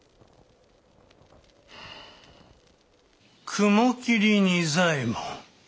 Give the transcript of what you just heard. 雲霧仁左衛門。